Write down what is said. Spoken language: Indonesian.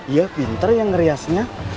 iya pinter ya ngeriasnya